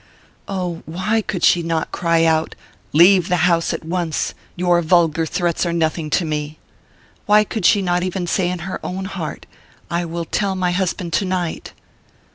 Oh, why could she not cry out: "Leave the house at once your vulgar threats are nothing to me" Why could she not even say in her own heart: _I will tell my husband tonight?